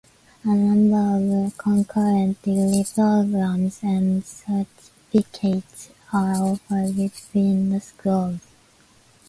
A number of concurrent degree programs and certificates are offered between the schools.